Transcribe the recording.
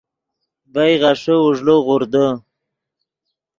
ڤئے غیݰے اوݱڑے غوردے